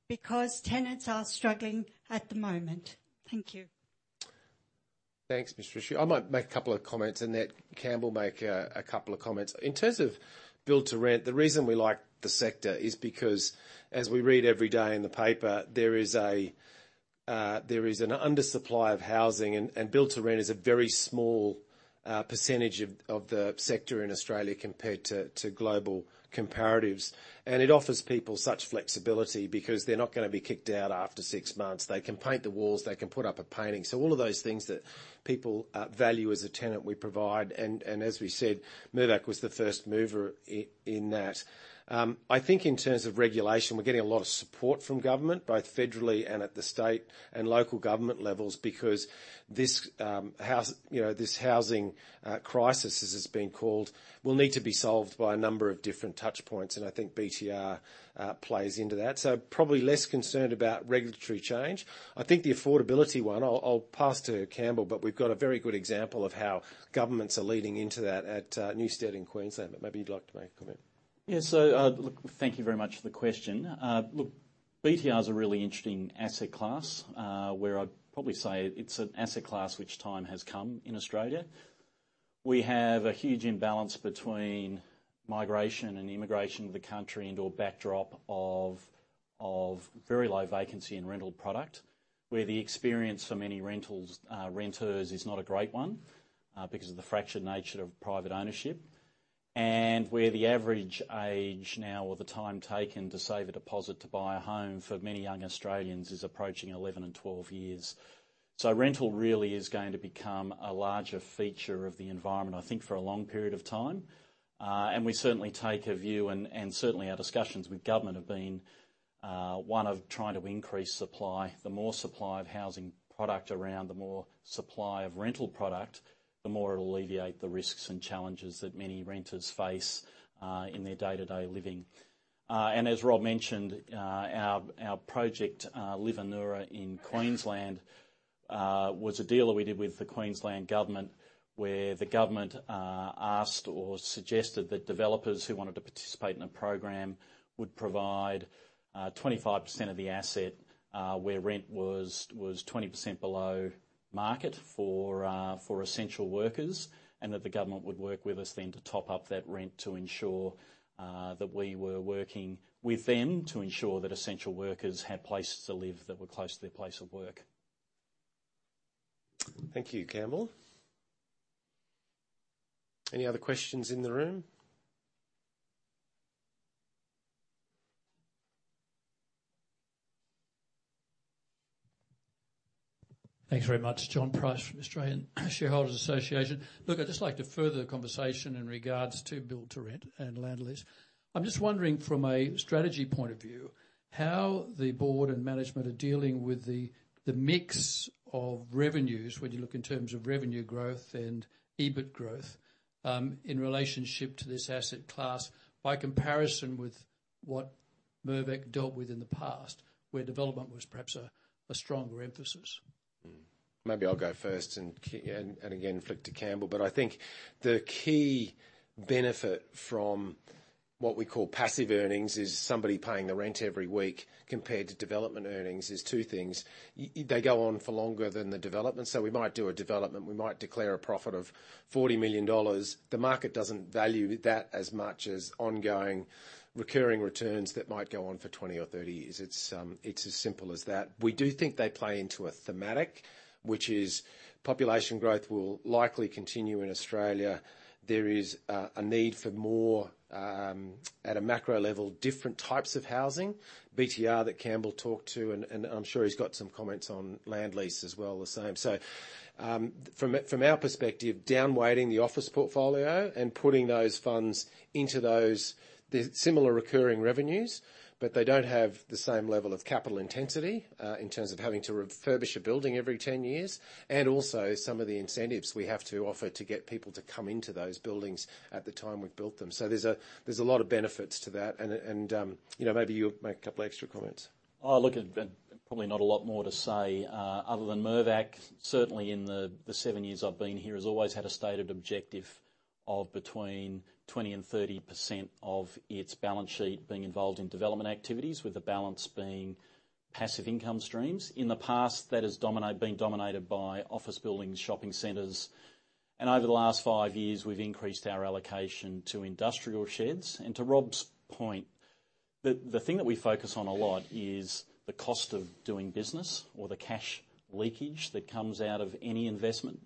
because tenants are struggling at the moment. Thank you. Thanks, Ms. Ritchie. I might make a couple of comments, and let Campbell make a couple of comments. In terms of build to rent, the reason we like the sector is because, as we read every day in the paper, there is an undersupply of housing, and build to rent is a very small percentage of the sector in Australia compared to global comparatives. It offers people such flexibility because they're not gonna be kicked out after six months. They can paint the walls. They can put up a painting. So all of those things that people value as a tenant, we provide, and as we said, Mirvac was the first mover in that. I think in terms of regulation, we're getting a lot of support from government, both federally and at the state and local government levels, because this house, you know, this housing crisis, as it's been called, will need to be solved by a number of different touch points, and I think BTR plays into that. So probably less concerned about regulatory change. I think the affordability one, I'll pass to Campbell, but we've got a very good example of how governments are leading into that at Newstead, Queensland. But maybe you'd like to make a comment. Yeah, so, look, thank you very much for the question. Look, BTR is a really interesting asset class, where I'd probably say it's an asset class which time has come in Australia. We have a huge imbalance between migration and immigration of the country into a backdrop of very low vacancy and rental product, where the experience for many rentals, renters, is not a great one, because of the fractured nature of private ownership, and where the average age now, or the time taken to save a deposit to buy a home for many young Australians, is approaching 11 and 12 years. So rental really is going to become a larger feature of the environment, I think, for a long period of time. And we certainly take a view, and certainly our discussions with government have been one of trying to increase supply. The more supply of housing product around, the more supply of rental product, the more it'll alleviate the risks and challenges that many renters face in their day-to-day living. And as Rob mentioned, our project, LIV Anura, in Queensland was a deal that we did with the Queensland Government, where the government asked or suggested that developers who wanted to participate in a program would provide 25% of the asset, where rent was 20% below market for essential workers, and that the government would work with us then to top up that rent to ensure that we were working with them, to ensure that essential workers had places to live that were close to their place of work. Thank you, Campbell. Any other questions in the room? Thanks very much. John Price from Australian Shareholders Association. Look, I'd just like to further the conversation in regards to build-to-rent and land lease. I'm just wondering, from a strategy point of view, how the board and management are dealing with the, the mix of revenues when you look in terms of revenue growth and EBIT growth, in relationship to this asset class, by comparison with what Mirvac dealt with in the past, where development was perhaps a, a stronger emphasis? Maybe I'll go first and again, flick to Campbell. But I think the key benefit from what we call passive earnings is somebody paying the rent every week compared to development earnings is two things. They go on for longer than the development, so we might do a development, we might declare a profit of 40 million dollars. The market doesn't value that as much as ongoing recurring returns that might go on for 20 or 30 years. It's as simple as that. We do think they play into a thematic, which is population growth will likely continue in Australia. There is a need for more at a macro level, different types of housing, BTR, that Campbell talked to, and I'm sure he's got some comments on land lease as well, the same. So, from our perspective, down weighting the office portfolio and putting those funds into those they're similar recurring revenues, but they don't have the same level of capital intensity in terms of having to refurbish a building every 10 years, and also some of the incentives we have to offer to get people to come into those buildings at the time we've built them. So there's a lot of benefits to that, and you know, maybe you'll make a couple extra comments. Oh, look, probably not a lot more to say, other than Mirvac, certainly in the seven years I've been here, has always had a stated objective of between 20%-30% of its balance sheet being involved in development activities, with the balance being passive income streams. In the past, that has been dominated by office buildings, shopping centers, and over the last five years, we've increased our allocation to industrial sheds. And to Rob's point, the thing that we focus on a lot is the cost of doing business or the cash leakage that comes out of any investment,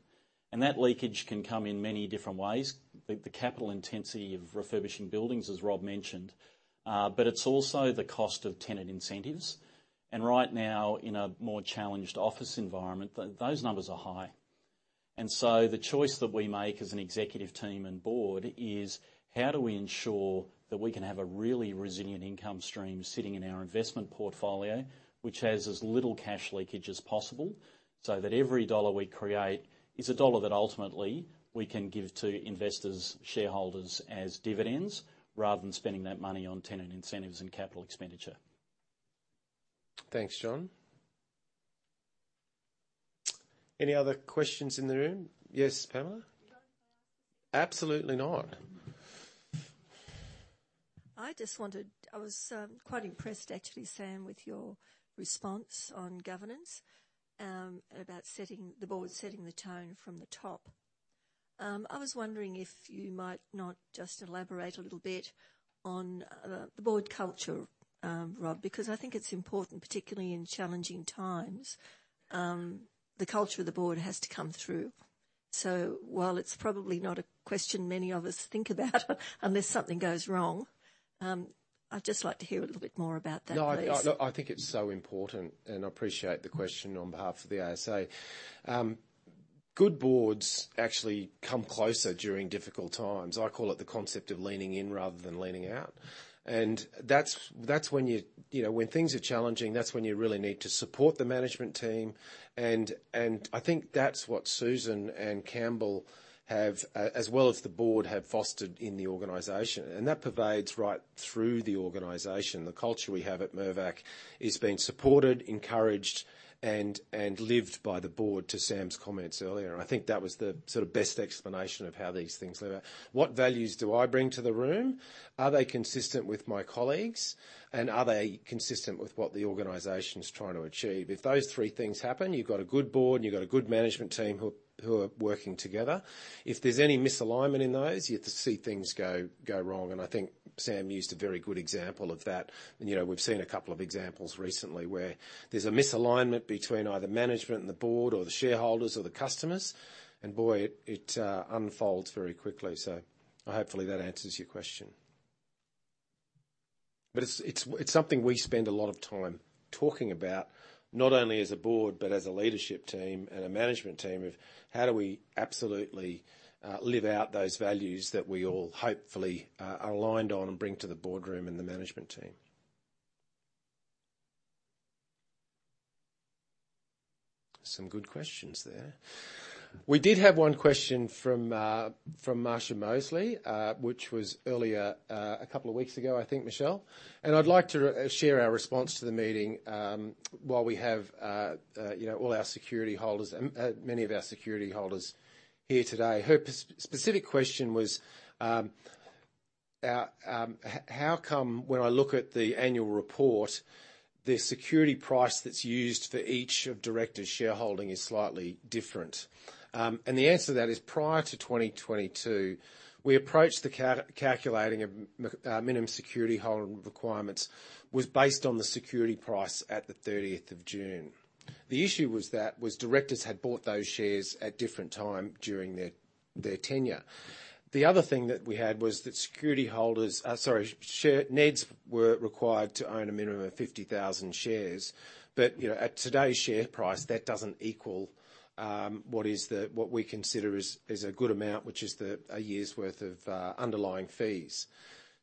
and that leakage can come in many different ways. The capital intensity of refurbishing buildings, as Rob mentioned, but it's also the cost of tenant incentives. And right now, in a more challenged office environment, those numbers are high. The choice that we make as an executive team and board is: how do we ensure that we can have a really resilient income stream sitting in our investment portfolio, which has as little cash leakage as possible, so that every dollar we create is a dollar that ultimately we can give to investors, shareholders as dividends, rather than spending that money on tenant incentives and capital expenditure? Thanks, John. Any other questions in the room? Yes, Pamela. Absolutely not. I just wanted. I was quite impressed, actually, Sam, with your response on governance about setting the board setting the tone from the top. I was wondering if you might not just elaborate a little bit on the board culture, Rob, because I think it's important, particularly in challenging times, the culture of the board has to come through. So while it's probably not a question many of us think about, unless something goes wrong, I'd just like to hear a little bit more about that, please. No, I think it's so important, and I appreciate the question on behalf of the ASA. Good boards actually come closer during difficult times. I call it the concept of leaning in rather than leaning out. And that's when you know, when things are challenging, that's when you really need to support the management team. And I think that's what Susan and Campbell have, as well as the board, have fostered in the organization, and that pervades right through the organization. The culture we have at Mirvac is being supported, encouraged, and lived by the board, to Sam's comments earlier. I think that was the sort of best explanation of how these things are. What values do I bring to the room? Are they consistent with my colleagues, and are they consistent with what the organization is trying to achieve? If those three things happen, you've got a good board, and you've got a good management team who are working together. If there's any misalignment in those, you get to see things go wrong, and I think Sam used a very good example of that. And, you know, we've seen a couple of examples recently where there's a misalignment between either management and the board or the shareholders or the customers, and boy, it unfolds very quickly. So hopefully that answers your question. But it's something we spend a lot of time talking about, not only as a board, but as a leadership team and a management team, of how do we absolutely live out those values that we all hopefully are aligned on and bring to the boardroom and the management team? Some good questions there. We did have one question from Marcia Mosely, which was earlier, a couple of weeks ago, I think, Michelle? And I'd like to share our response to the meeting, while we have, you know, all our security holders and many of our security holders here today. Her specific question was, "How come when I look at the annual report, the security price that's used for each of director's shareholding is slightly different?" And the answer to that is, prior to 2022, we approached the calculating of minimum security holding requirements, was based on the security price at the 30th of June. The issue was that, directors had bought those shares at different time during their tenure. The other thing that we had was that security holders, sorry, NEDs were required to own a minimum of 50,000 shares. But, you know, at today's share price, that doesn't equal what is the, what we consider is a good amount, which is the, a year's worth of underlying fees.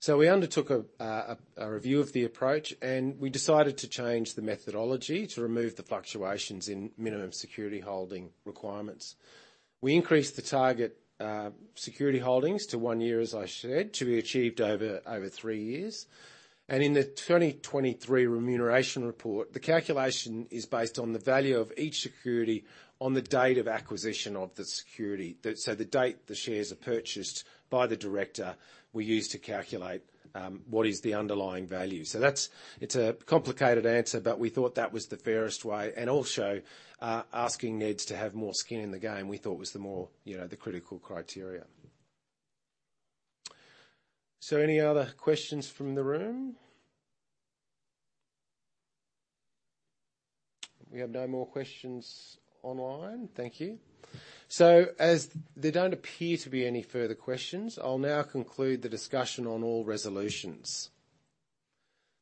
So we undertook a review of the approach, and we decided to change the methodology to remove the fluctuations in minimum security holding requirements. We increased the target security holdings to one year, as I said, to be achieved over three years. And in the 2023 remuneration report, the calculation is based on the value of each security on the date of acquisition of the security. The, so the date the shares are purchased by the director, we use to calculate what is the underlying value. So that's it. It's a complicated answer, but we thought that was the fairest way, and also, asking NEDs to have more skin in the game, we thought was the more, you know, the critical criteria. So any other questions from the room? We have no more questions online. Thank you. So as there don't appear to be any further questions, I'll now conclude the discussion on all resolutions.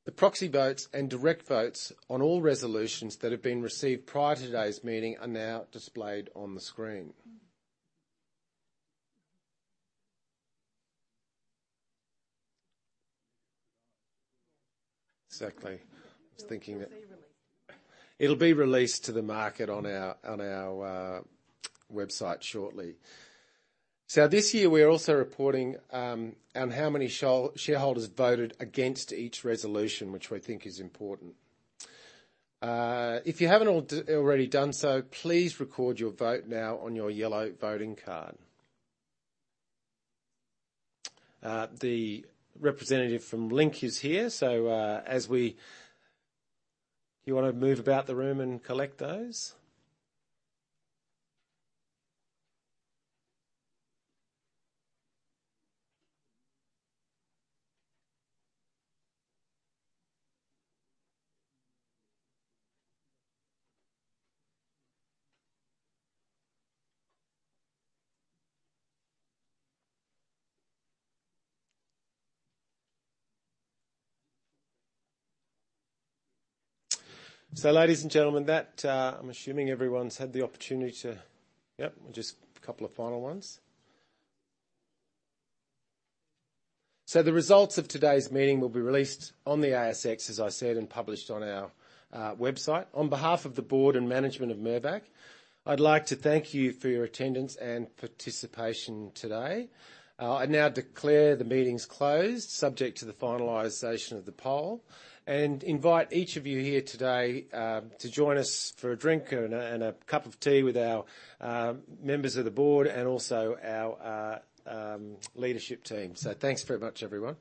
The proxy votes and direct votes on all resolutions that have been received prior to today's meeting are now displayed on the screen. Exactly. I was thinking that. It'll be released. It'll be released to the market on our website shortly. So this year, we are also reporting on how many shareholders voted against each resolution, which we think is important. If you haven't already done so, please record your vote now on your yellow voting card. The representative from Link is here, so as you wanna move about the room and collect those? So ladies and gentlemen, that, I'm assuming everyone's had the opportunity to, yep, just a couple of final ones. So the results of today's meeting will be released on the ASX, as I said, and published on our website. On behalf of the board and management of Mirvac, I'd like to thank you for your attendance and participation today. I now declare the meeting's closed, subject to the finalization of the poll, and invite each of you here today to join us for a drink and a cup of tea with our members of the board and also our leadership team. So thanks very much, everyone.